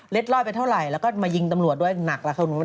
เล็ดรอยไปเท่าไหร่แล้วก็มายิงตำรวจด้วยหนัก